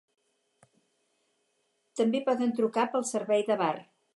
També poden trucar pel servei de bar.